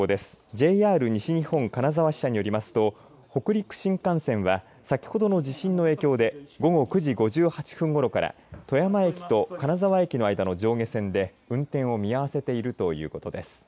ＪＲ西日本金沢支社によりますと北陸新幹線は先ほどの地震の影響で午後９時５８分ごろから富山駅と金沢駅の間の上下線で運転を見合わせているということです。